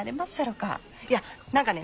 いや何かね